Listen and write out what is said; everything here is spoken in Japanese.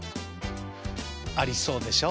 ありそうでしょ？